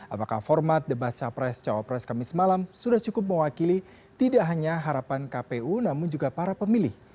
apakah format debat capres cawapres kamis malam sudah cukup mewakili tidak hanya harapan kpu namun juga para pemilih